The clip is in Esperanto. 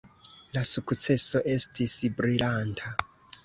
La sukceso estis brilanta.